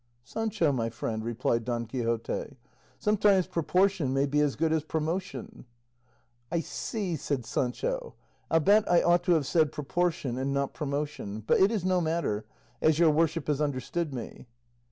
"Sancho, my friend," replied Don Quixote, "sometimes proportion may be as good as promotion." "I see," said Sancho; "I'll bet I ought to have said proportion, and not promotion; but it is no matter, as your worship has understood me."